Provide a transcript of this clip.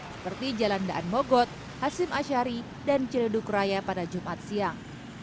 seperti jalan daan mogot hasim ashari dan ciledug raya pada jumat siang